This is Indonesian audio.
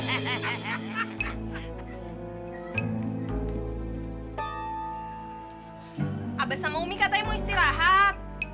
habis sama umi katanya mau istirahat